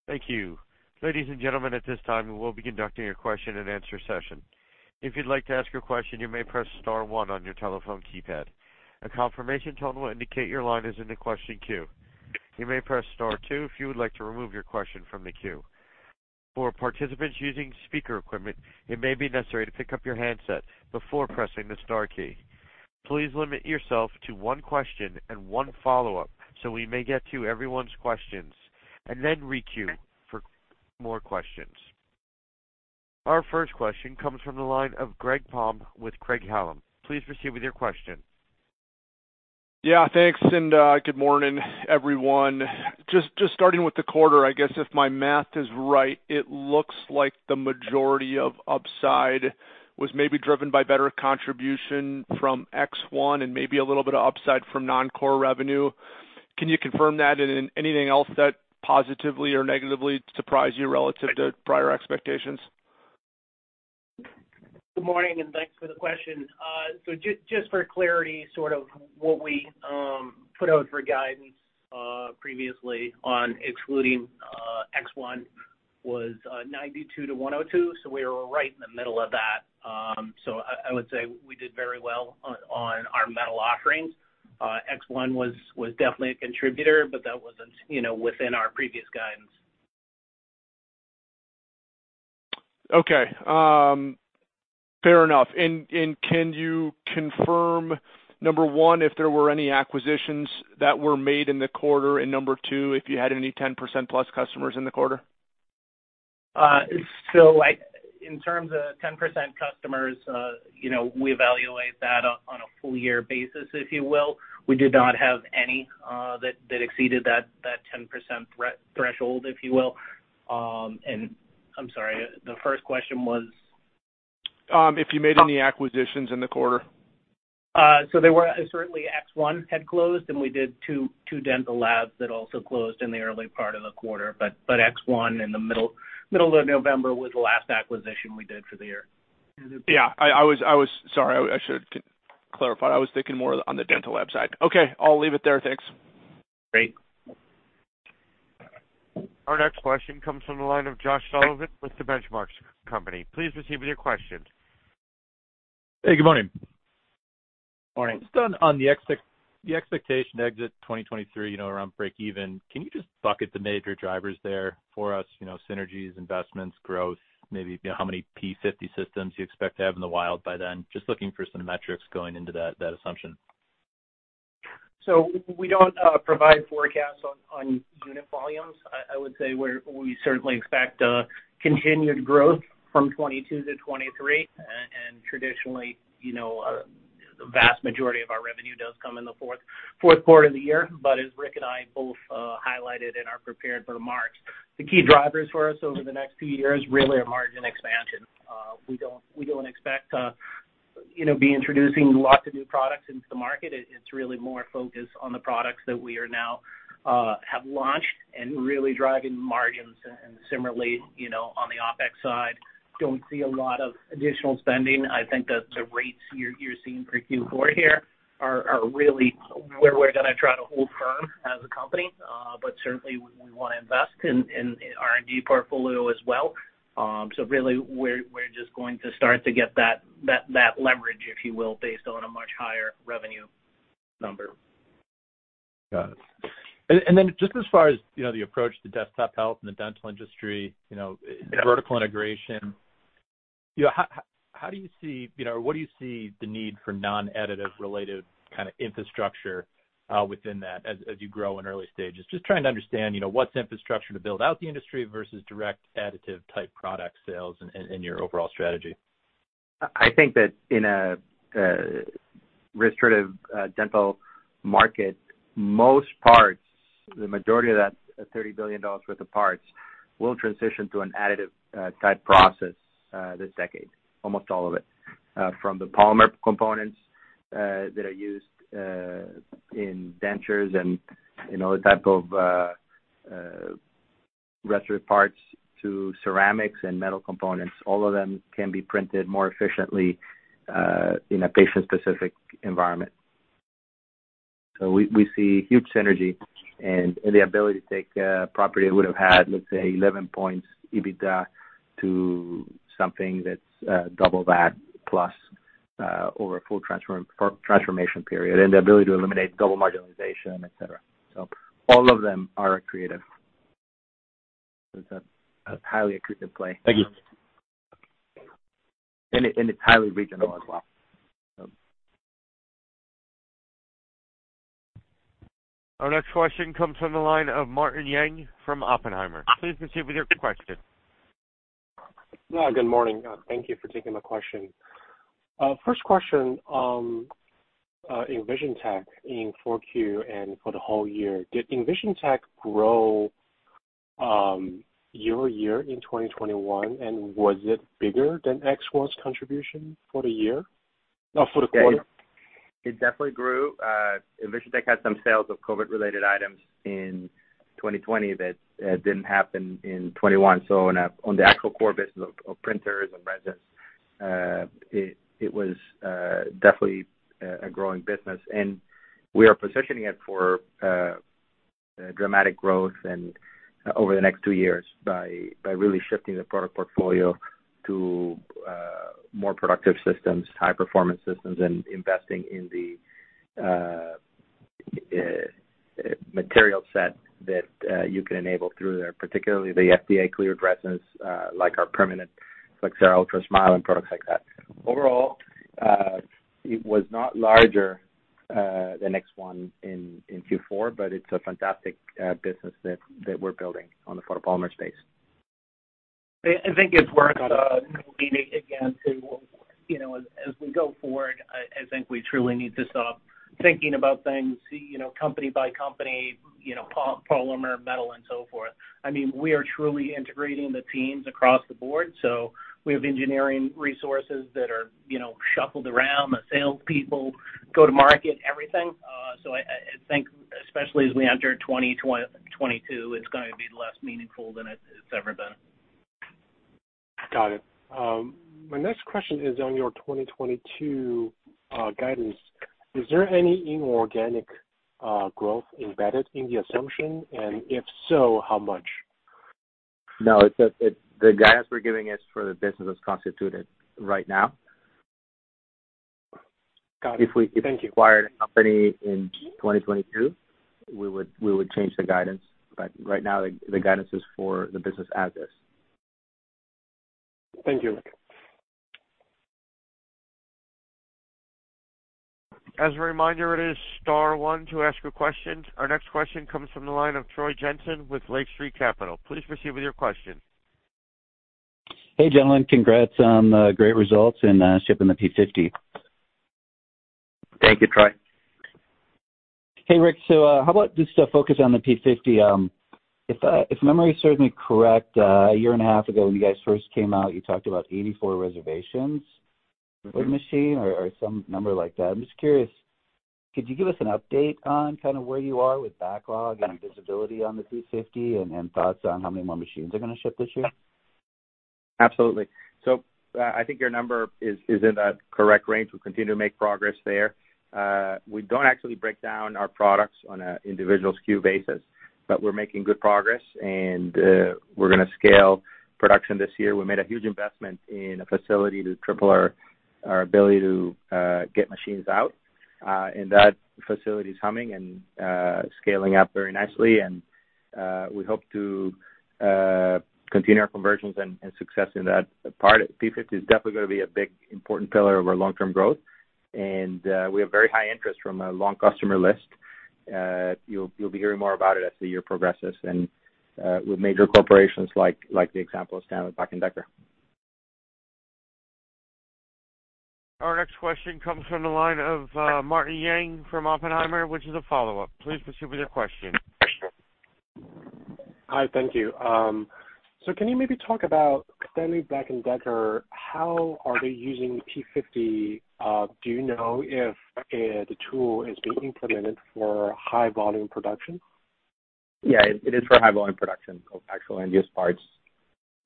Thank you. Ladies and gentlemen, at this time, we will be conducting a question-and-answer session. If you'd like to ask a question, you may press star one on your telephone keypad. A confirmation tone will indicate your line is in the question queue. You may press star two if you would like to remove your question from the queue. For participants using speaker equipment, it may be necessary to pick up your handset before pressing the star key. Please limit yourself to one question and one follow-up so we may get to everyone's questions, and then re-queue for more questions. Our first question comes from the line of Greg Palm with Craig-Hallum. Please proceed with your question. Yeah, thanks, good morning, everyone. Just starting with the quarter, I guess if my math is right, it looks like the majority of upside was maybe driven by better contribution from ExOne and maybe a little bit of upside from non-core revenue. Can you confirm that and anything else that positively or negatively surprised you relative to prior expectations? Good morning, thanks for the question. Just for clarity, sort of what we put out for guidance previously on excluding ExOne was $92-$102, we were right in the middle of that. I would say we did very well on our metal offerings. ExOne was definitely a contributor, but that wasn't, you know, within our previous guidance. Okay. Fair enough. Can you confirm, number one, if there were any acquisitions that were made in the quarter, and number two, if you had any 10%+ customers in the quarter? In terms of 10% customers, you know, we evaluate that on a full year basis, if you will. We did not have any that exceeded that 10% threshold, if you will. I'm sorry, the first question was? If you made any acquisitions in the quarter? Certainly, ExOne had closed, and we did two dental labs that also closed in the early part of the quarter. ExOne in the middle of November was the last acquisition we did for the year. Yeah, I was. Sorry, I should clarify. I was thinking more on the dental lab side. Okay, I'll leave it there. Thanks. Great. Our next question comes from the line of Josh Sullivan with The Benchmark Company. Please proceed with your question. Hey, good morning. Morning Just on the expectation exit 2023, you know, around break-even, can you just bucket the major drivers there for us? You know, synergies, investments, growth, maybe how many P-50 systems you expect to have in the wild by then. Just looking for some metrics going into that assumption. We don't provide forecasts on unit volumes. I would say we certainly expect continued growth from 2022 to 2023. Traditionally, the vast majority of our revenue does come in the fourth quarter of the year. As Ric and I both highlighted in our prepared remarks, the key drivers for us over the next few years really are margin expansion. We don't expect to be introducing lots of new products into the market. It's really more focused on the products that we now have launched and really driving margins. Similarly, on the OPEX side, don't see a lot of additional spending. I think that the rates you're seeing for Q4 here are really where we're going to try to hold firm as a company. Certainly we want to invest in R&D portfolio as well. Really we're just going to start to get that leverage, if you will, based on a much higher revenue number. Got it. Just as far as the approach to Desktop Health and the dental industry, vertical integration, how do you see or what do you see the need for non-additive related kind of infrastructure within that as you grow in early stages? Just trying to understand what's infrastructure to build out the industry versus direct additive type product sales in your overall strategy. I think that in a restorative dental market, most parts, the majority of that $30 billion worth of parts, will transition to an additive type process this decade, almost all of it. From the polymer components that are used in dentures and, you know, the type of restorative parts to ceramics and metal components, all of them can be printed more efficiently in a patient-specific environment. We see huge synergy and the ability to take a property that would have had, let's say, 11 points EBITDA to something that's double that plus, over a full transformation period and the ability to eliminate double marginalization, et cetera. All of them are accretive. It's a highly accretive play. Thank you. It's highly regional as well, so. Our next question comes from the line of Martin Yang from Oppenheimer. Please proceed with your question. Yeah, good morning. Thank you for taking my question. First question, EnvisionTEC in Q4 and for the whole year. Did EnvisionTEC grow year over year in 2021, and was it bigger than ExOne's contribution for the year? For the quarter. It definitely grew. EnvisionTEC had some sales of COVID-related items in 2020 that didn't happen in 2021. On the actual core business of printers and resins, it was definitely a growing business. We are positioning it for dramatic growth over the next two years by really shifting the product portfolio to more productive systems, high performance systems, and investing in the material set that you can enable through there, particularly the FDA cleared resins like our permanent Flexcera Smile Ultra+ and products like that. Overall, it was not larger than ExOne in Q4, but it's a fantastic business that we're building on the photopolymer space. I think it's worth leaning into, you know, as we go forward. I think we truly need to stop thinking about things, you know, company by company, you know, poly, polymer, metal and so forth. I mean, we are truly integrating the teams across the board. We have engineering resources that are, you know, shuffled around. The salespeople go to market, everything. I think especially as we enter 2022, it's gonna be less meaningful than it's ever been. Got it. My next question is on your 2022 guidance. Is there any inorganic growth embedded in the assumption? If so, how much? No. The guidance we're giving is for the business as constituted right now. Got it. Thank you. If we acquired a company in 2022, we would change the guidance. Right now, the guidance is for the business as is. Thank you. As a reminder, it is star one to ask a question. Our next question comes from the line of Troy Jensen with Lake Street Capital. Please proceed with your question. Hey, gentlemen. Congrats on great results and shipping the P-50. Thank you, Troy. Hey, Ric. How about just to focus on the P-50. If memory serves me correct, a year and a half ago when you guys first came out, you talked about 84 reservations for the machine or some number like that. I'm just curious, could you give us an update on kind of where you are with backlog and visibility on the P-50 and thoughts on how many more machines are gonna ship this year? Absolutely. I think your number is in the correct range. We continue to make progress there. We don't actually break down our products on an individual SKU basis, but we're making good progress and we're gonna scale production this year. We made a huge investment in a facility to triple our ability to get machines out. That facility is humming and scaling up very nicely. We hope to continue our conversions and success in that part. P-50 is definitely gonna be a big important pillar of our long-term growth, and we have very high interest from a long customer list. You'll be hearing more about it as the year progresses and with major corporations like the example of Stanley Black & Decker. Our next question comes from the line of, Martin Yang from Oppenheimer, which is a follow-up. Please proceed with your question. Hi. Thank you. Can you maybe talk about Stanley Black & Decker, how are they using P-50? Do you know if the tool is being implemented for high volume production? Yeah. It is for high volume production of actual end-use parts.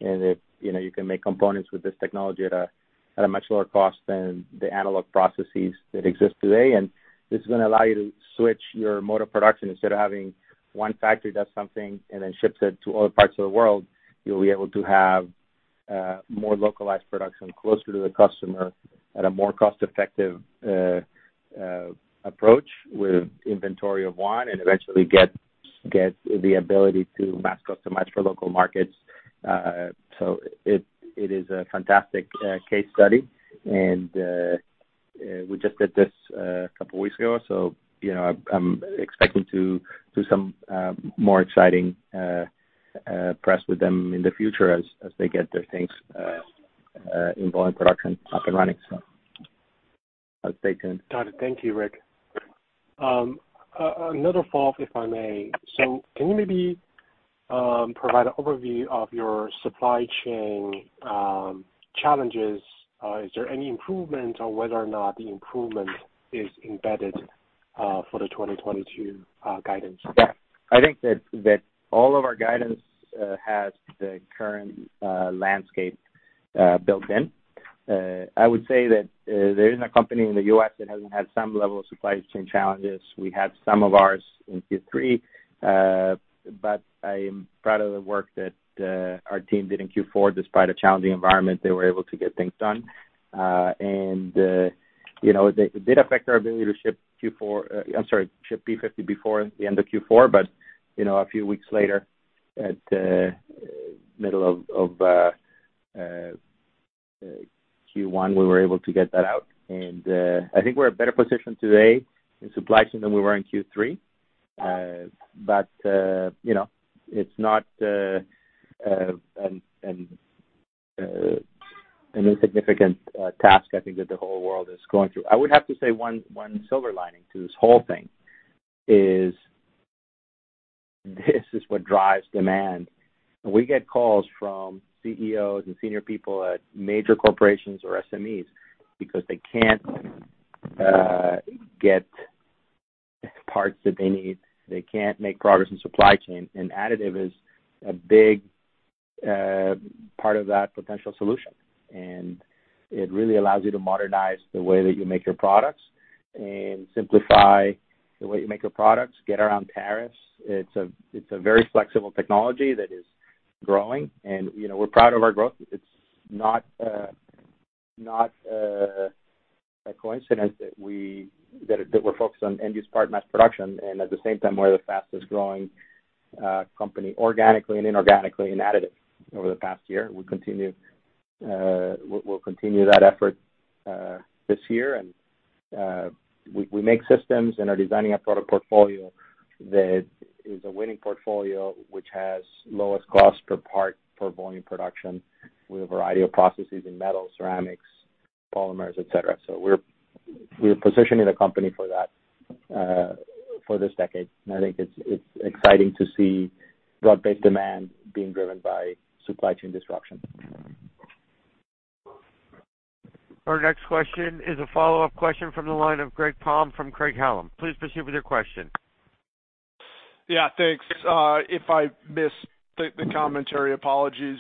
If, you know, you can make components with this technology at a much lower cost than the analog processes that exist today. This is gonna allow you to switch your mode of production. Instead of having one factory that's something and then ships it to other parts of the world, you'll be able to have more localized production closer to the customer at a more cost effective approach with inventory of one and eventually get the ability to mass customize for local markets. It is a fantastic case study and we just did this a couple weeks ago. You know, I'm expecting to do some more exciting press with them in the future as they get their things in volume production up and running. Stay tuned. Got it. Thank you, Rick. Another follow-up, if I may. Can you maybe provide an overview of your supply chain challenges? Is there any improvement on whether or not the improvement is embedded for the 2022 guidance? Yeah. I think that all of our guidance has the current landscape built in. I would say that there isn't a company in the U.S. that hasn't had some level of supply chain challenges. We had some of ours in Q3. I am proud of the work that our team did in Q4. Despite a challenging environment, they were able to get things done. It did affect our ability to ship P-50 before the end of Q4, but a few weeks later at middle of Q1, we were able to get that out. I think we're in a better position today in supply chain than we were in Q3. You know, it's not an insignificant task. I think that the whole world is going through. I would have to say one silver lining to this whole thing is this is what drives demand. We get calls from CEOs and senior people at major corporations or SMEs because they can't get parts that they need. They can't make progress in supply chain. Additive is a big part of that potential solution. It really allows you to modernize the way that you make your products and simplify the way you make your products, get around tariffs. It's a very flexible technology that is growing. You know, we're proud of our growth. It's not a coincidence that we're focused on end-use part mass production, and at the same time, we're the fastest growing company organically and inorganically in additive over the past year. We'll continue that effort this year. We make systems and are designing a product portfolio that is a winning portfolio, which has lowest cost per part per volume production with a variety of processes in metal, ceramics, polymers, et cetera. We're positioning the company for that, for this decade. I think it's exciting to see broad-based demand being driven by supply chain disruption. Our next question is a follow-up question from the line of Greg Palm from Craig-Hallum. Please proceed with your question. Yeah, thanks. If I missed the commentary, apologies.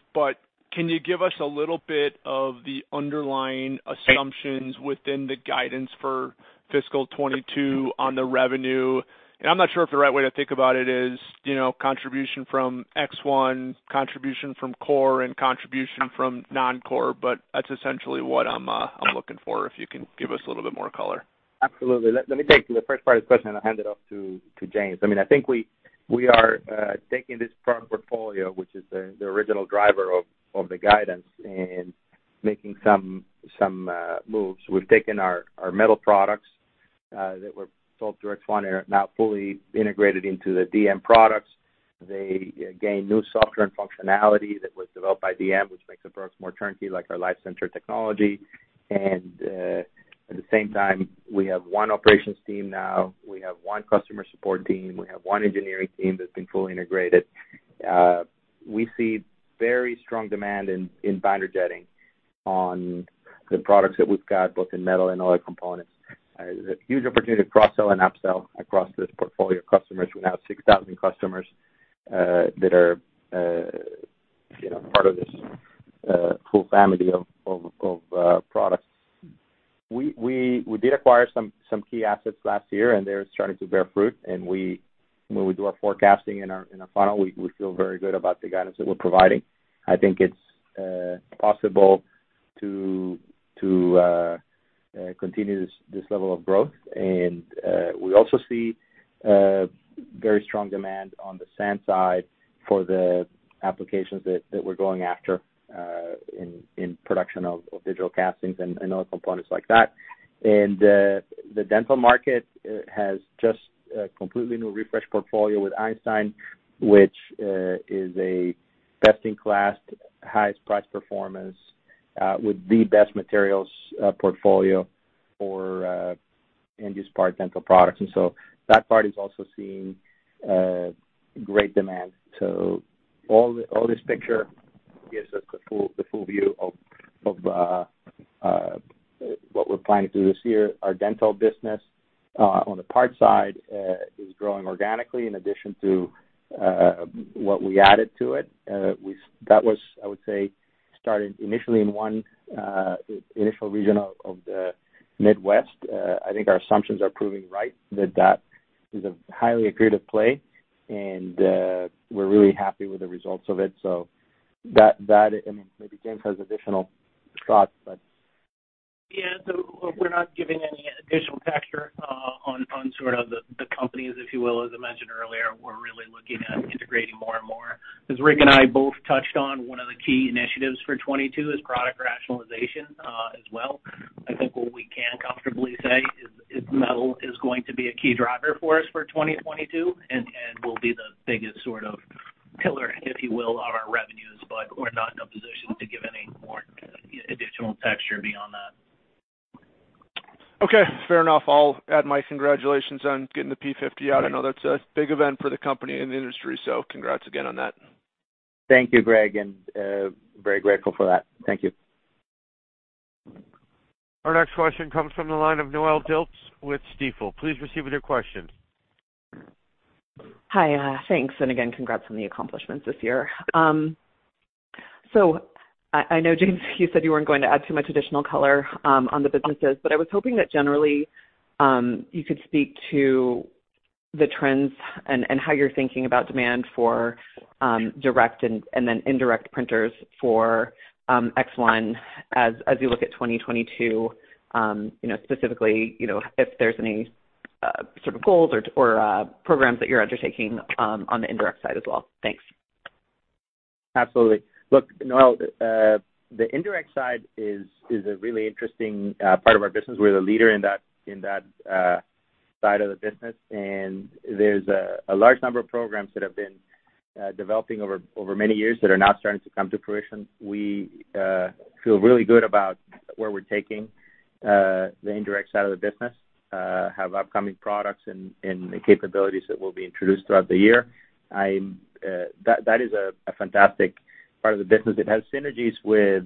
Can you give us a little bit of the underlying assumptions within the guidance for FY 2022 on the revenue? I'm not sure if the right way to think about it is, you know, contribution from ExOne, contribution from core and contribution from non-core, but that's essentially what I'm looking for, if you can give us a little bit more color. Absolutely. Let me take the first part of the question, and I'll hand it off to James. I mean, I think we are taking this product portfolio, which is the original driver of the guidance, and making some moves. We've taken our metal products that were sold through ExOne and are now fully integrated into the DM products. They gain new software and functionality that was developed by DM, which makes the products more turnkey, like our Live Sinter technology. At the same time, we have one operations team now. We have one customer support team. We have one engineering team that's been fully integrated. We see very strong demand in binder jetting on the products that we've got, both in metal and other components. There's a huge opportunity to cross-sell and up-sell across this portfolio of customers. We now have 6,000 customers that are, you know, part of this full family of products. We did acquire some key assets last year, and they're starting to bear fruit. When we do our forecasting in our funnel, we feel very good about the guidance that we're providing. I think it's possible to continue this level of growth. We also see very strong demand on the sand side for the applications that we're going after in production of digital castings and other components like that. The dental market has just a completely new refreshed portfolio with Einstein, which is a best in class, highest price performance with the best materials portfolio for end-use part dental products. That part is also seeing great demand. All this picture gives us the full view of what we're planning to do this year. Our dental business on the parts side is growing organically in addition to what we added to it. That was, I would say, started initially in one initial region of the Midwest. I think our assumptions are proving right that that is a highly accretive play, and we're really happy with the results of it. I mean, maybe James has additional thoughts, but. We're not giving any additional texture on sort of the companies, if you will. As I mentioned earlier, we're really looking at integrating more and more. As Ric and I both touched on, one of the key initiatives for 2022 is product rationalization, as well. I think what we can comfortably say is metal is going to be a key driver for us for 2022 and will be the biggest sort of pillar, if you will, on our revenues. We're not in a position to give any more additional texture beyond that. Okay, fair enough. I'll add my congratulations on getting the P-50 out. I know that's a big event for the company and the industry, so congrats again on that. Thank you, Greg, and very grateful for that. Thank you. Our next question comes from the line of Noelle Dilts with Stifel. Please proceed with your question. Hi, thanks. Again, congrats on the accomplishments this year. I know James, you said you weren't going to add too much additional color on the businesses, but I was hoping that generally you could speak to the trends and how you're thinking about demand for direct and then indirect printers for ExOne as you look at 2022, you know, specifically, you know, if there's any sort of goals or programs that you're undertaking on the indirect side as well. Thanks. Absolutely. Look, Noelle, the indirect side is a really interesting part of our business. We're the leader in that side of the business, and there's a large number of programs that have been developing over many years that are now starting to come to fruition. We feel really good about where we're taking the indirect side of the business, have upcoming products and capabilities that will be introduced throughout the year. That is a fantastic part of the business. It has synergies with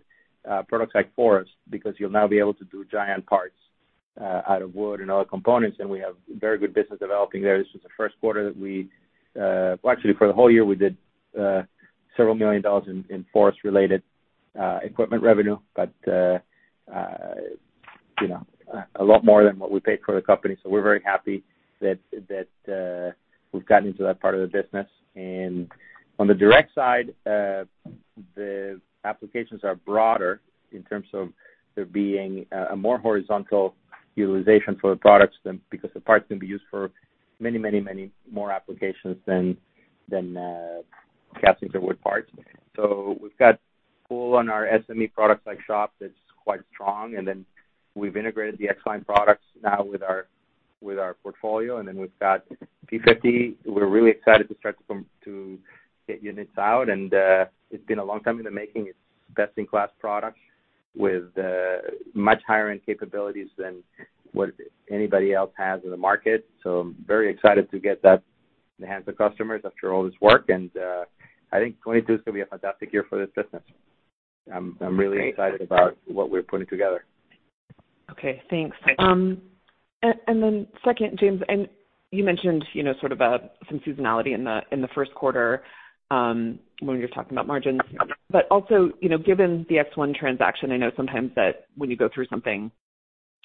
products like Forust because you'll now be able to do giant parts out of wood and other components, and we have very good business developing there. This was the first quarter that we, well, actually for the whole year, we did several million dollars in Forust-related equipment revenue, but you know, a lot more than what we paid for the company. We're very happy that we've gotten into that part of the business. On the direct side, the applications are broader in terms of there being a more horizontal utilization for the products than, because the parts can be used for many, many, many more applications than castings or wood parts. We've got pull on our SME products like Shop that's quite strong, and then we've integrated the ExOne products now with our portfolio, and then we've got P-50. We're really excited to get units out and it's been a long time in the making. It's best-in-class product with much higher end capabilities than what anybody else has in the market. So very excited to get that in the hands of customers after all this work. I think 2022 is gonna be a fantastic year for this business. I'm really excited about what we're putting together. Okay, thanks. Then second, James, you mentioned, you know, sort of, some seasonality in the first quarter when you're talking about margins. Also, you know, given the ExOne transaction, I know sometimes that when you go through something,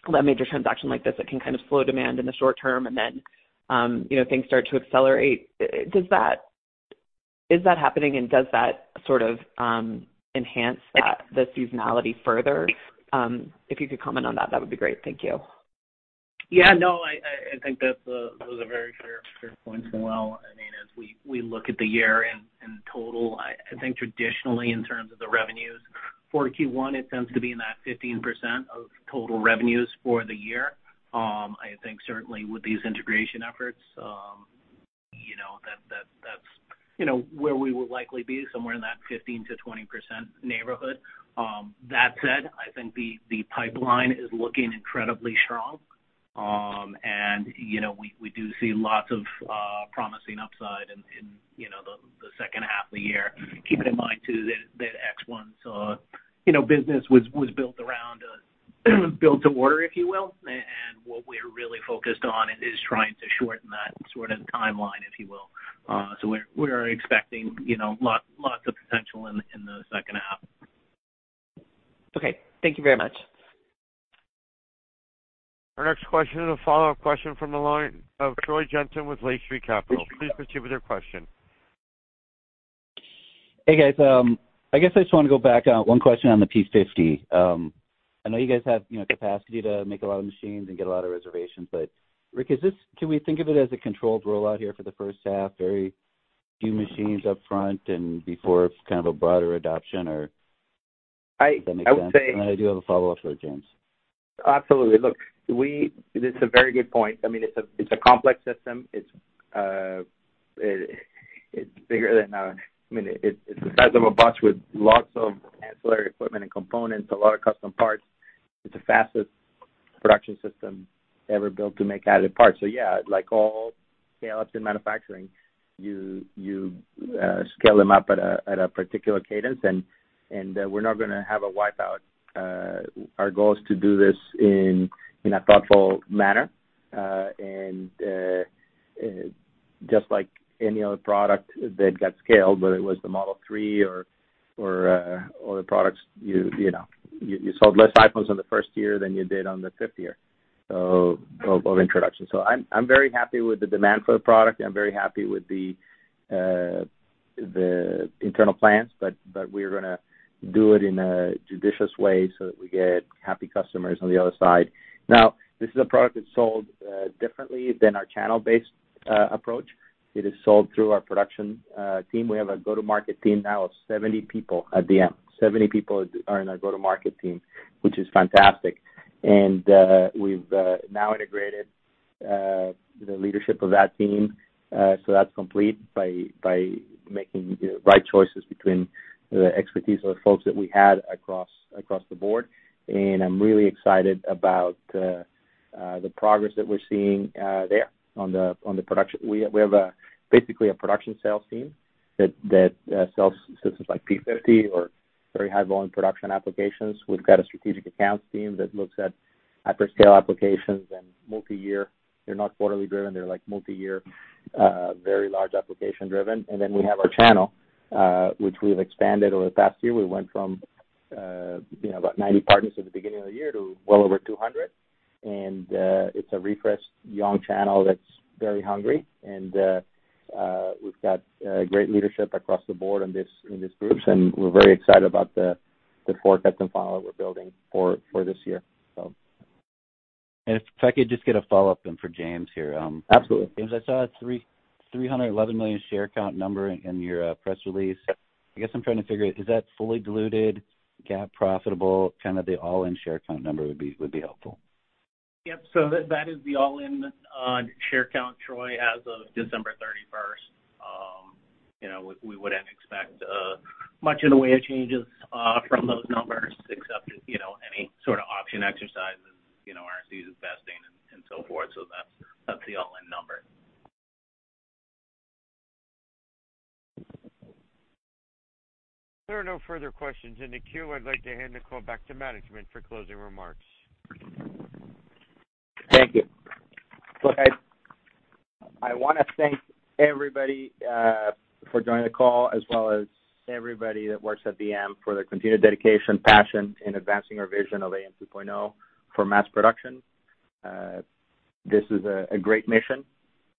a major transaction like this, it can kind of slow demand in the short term and then, you know, things start to accelerate. Is that happening and does that sort of enhance the seasonality further? If you could comment on that would be great. Thank you. Yeah, no, I think that's a very fair point as well. I mean, as we look at the year in total, I think traditionally in terms of the revenues for Q1, it tends to be in that 15% of total revenues for the year. I think certainly with these integration efforts, you know, that's where we will likely be, somewhere in that 15%-20% neighborhood. That said, I think the pipeline is looking incredibly strong. You know, we do see lots of promising upside in the second half of the year. Keeping in mind too that ExOne's business was built around built to order, if you will. what we're really focused on is trying to shorten that sort of timeline, if you will. We're expecting, you know, lots of potential in the second half. Okay. Thank you very much. Our next question is a follow-up question from the line of Troy Jensen with Lake Street Capital. Please proceed with your question. Hey, guys. I guess I just wanna go back on one question on the P-50. I know you guys have, you know, capacity to make a lot of machines and get a lot of reservations, but Ric, can we think of it as a controlled rollout here for the first half, very few machines up front and before it's kind of a broader adoption or- I would say.. Do have a follow-up for James. Absolutely. Look, this is a very good point. I mean, it's a complex system. It's bigger than, I mean, it's the size of a bus with lots of ancillary equipment and components, a lot of custom parts. It's the fastest production system ever built to make additive parts. So yeah, like all scale-ups in manufacturing, you scale them up at a particular cadence, and we're not gonna have a wipe-out. Our goal is to do this in a thoughtful manner, and just like any other product that got scaled, whether it was the Model 3 or other products, you know, you sold less iPhones in the first year than you did in the fifth year of introduction. I'm very happy with the demand for the product. I'm very happy with the internal plans, but we're gonna do it in a judicious way so that we get happy customers on the other side. Now, this is a product that's sold differently than our channel-based approach. It is sold through our production team. We have a go-to-market team now of 70 people at DM. 70 people are in our go-to-market team, which is fantastic. We've now integrated the leadership of that team, so that's complete by making the right choices between the expertise of the folks that we had across the board. I'm really excited about the progress that we're seeing there on the production. We have basically a production sales team that sells systems like P-50 or very high volume production applications. We've got a strategic accounts team that looks at hyperscale applications and multi-year. They're not quarterly driven. They're like multi-year, very large application driven. Then we have our channel, which we've expanded over the past year. We went from, you know, about 90 partners at the beginning of the year to well over 200. It's a refreshed, young channel that's very hungry. We've got great leadership across the board in these groups, and we're very excited about the forecast and funnel that we're building for this year. If I could just get a follow-up then for James Haley here, Absolutely. James, I saw a 311 million share count number in your press release. I guess I'm trying to figure out, is that fully diluted, GAAP profitable? Kind of the all-in share count number would be helpful. Yep. That is the all-in share count, Troy, as of December 31. You know, we wouldn't expect much in the way of changes from those numbers except, you know, any sort of option exercises, you know, RSU vesting and so forth. That's the all-in number. There are no further questions in the queue. I'd like to hand the call back to management for closing remarks. Thank you. Look, I wanna thank everybody for joining the call, as well as everybody that works at AM for their continued dedication, passion in advancing our vision of AM 2.0 for mass production. This is a great mission,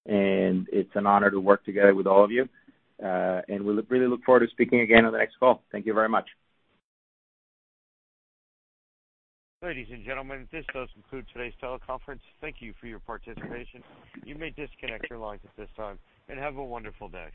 and it's an honor to work together with all of you. We really look forward to speaking again on the next call. Thank you very much. Ladies and gentlemen, this does conclude today's teleconference. Thank you for your participation. You may disconnect your lines at this time, and have a wonderful day.